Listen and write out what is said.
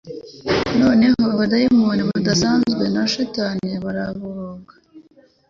Noneho abadayimoni badasanzwe na shitani baraboroga